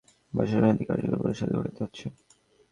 এরপর থেকে সমঝোতা করেই দুই বছর মেয়াদি কার্যকরী পরিষদ গঠিত হচ্ছে।